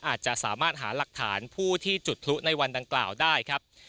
อาจจะสามารถหาหลักฐานผู้ที่จุดพลุในวันดังกล่าวได้ครับ